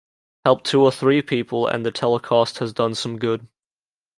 Help two or three people and the telecast has done some good.